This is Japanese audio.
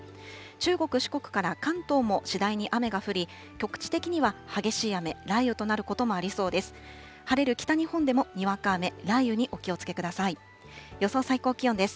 中国、四国から関東も次第に雨が降り、局地的には激しい雨、雷雨となることもありそうです。